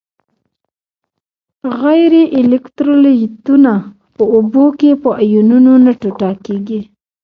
غیر الکترولیتونه په اوبو کې په آیونونو نه ټوټه کیږي.